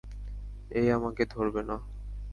এই আমাকে ধরবে না।